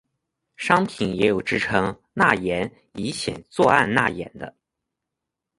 商品也有制成钠盐乙酰唑胺钠盐的。